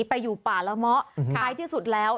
ไปอยู่ป่าละเมาะท้ายที่สุดแล้ว